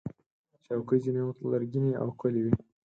چوکۍ ځینې وخت لرګینې او ښکلې وي.